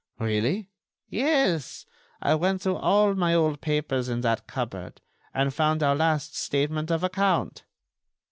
"Really?" "Yes, I went through all my old papers in that cupboard, and found our last statement of account."